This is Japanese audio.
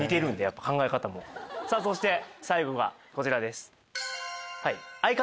そして最後こちらです。